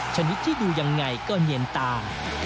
ชนิดที่ดูยังไงก็เนียนตา